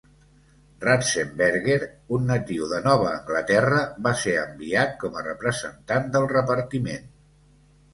Ratzenberger, un natiu de Nova Anglaterra, va ser enviat com a representant del repartiment.